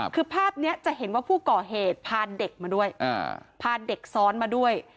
คือภาพนี้จะเห็นว่าผู้ก่อเหตุพาเด็กมาด้วยพาเด็กซ้อนมาด้วย